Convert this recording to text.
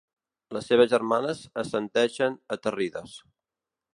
Les seves germanes assenteixen aterrides.